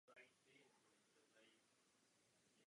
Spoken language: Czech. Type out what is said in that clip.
Přesto může umělá inteligence předpovědi dále vylepšit.